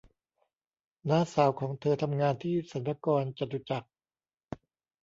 น้าสาวของเธอทำงานที่สรรพากรจตุจักร